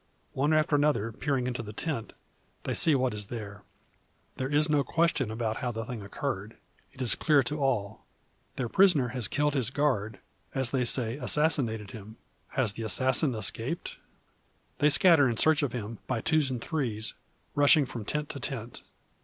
One after another peering into the tent, they see what is there. There is no question about how the thing occurred. It is clear to all. Their prisoner has killed his guard; as they say, assassinated him. Has the assassin escaped? They scatter in search of him, by twos and threes, rushing from tent to tent.